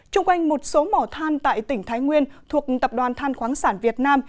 trung quanh một số mỏ than tại tỉnh thái nguyên thuộc tập đoàn than khoáng sản việt nam